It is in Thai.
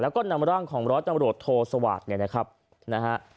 แล้วก็นำร่างของร้อยจำรวจโทสวาสตร์เนี่ยนะครับนะฮะ